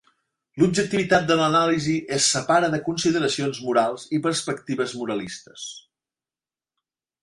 L'objectivitat de l'anàlisi es separa de consideracions morals i perspectives moralistes.